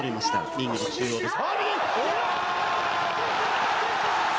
リングの中央です。